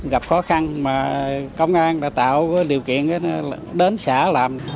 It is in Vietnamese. gặp khó khăn mà công an đã tạo điều kiện đến xã làm